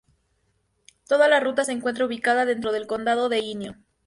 Toda la Ruta se encuentra ubicada dentro del condado de Inyo.